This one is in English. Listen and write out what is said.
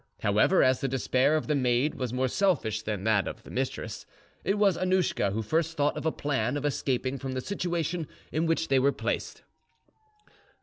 However, as the despair of the maid was more selfish than that of her mistress, it was Annouschka who first thought of a plan of escaping from the situation in which they were placed.